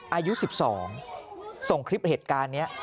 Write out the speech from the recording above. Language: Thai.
อายุ๑๒ส่งคลิปเหตุการณ์นี้